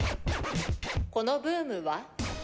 このブームは？